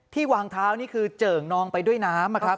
วางเท้านี่คือเจิ่งนองไปด้วยน้ำนะครับ